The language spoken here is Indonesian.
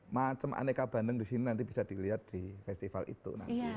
macam aneka bandeng di sini nanti bisa dilihat di festival itu